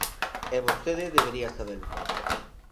E vostede debería sabelo.